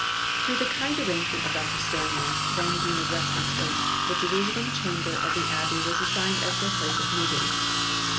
Through the kind arrangement of Dr Stanley, then Dean of Westminster, the Jerusalem Chamber of the Abbey was assigned as their place of meeting.